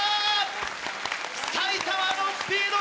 埼玉のスピード